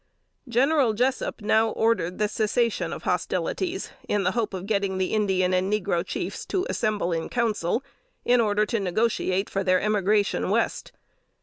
General Jessup now ordered the cessation of hostilities, in the hope of getting the Indian and negro chiefs to assemble in council, in order to negotiate for their emigration West.